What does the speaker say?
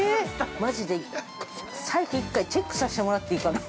◆マジで、財布一回チェックさせてもらっていいかな。